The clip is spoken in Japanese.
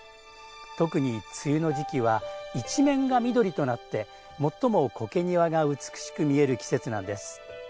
特に梅雨の時期は一面が緑となって最も苔庭が美しく見える季節なんです。